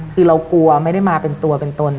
คือเรากลัวไม่ได้มาเป็นตัวเป็นตน